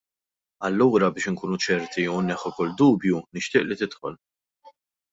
Allura biex inkunu ċerti u nneħħu kull dubju nixtieq li tidħol.